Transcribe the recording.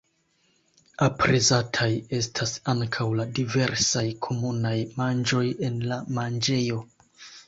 Aprezataj estas ankaŭ la diversaj komunaj manĝoj en la manĝejo.